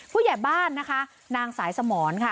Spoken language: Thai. ผู้ใหญ่บ้านนะคะนางสายสมรค่ะ